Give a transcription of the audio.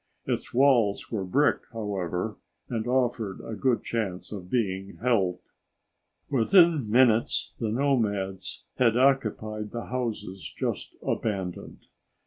Its walls were brick, however, and offered a good chance of being held. Within minutes, the nomads had occupied the houses just abandoned.